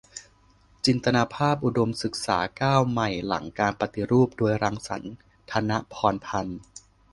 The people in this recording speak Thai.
"จินตภาพอุดมศึกษา-ก้าวใหม่หลังการปฏิรูป" โดย รังสรรค์ ธนะพรพันธุ์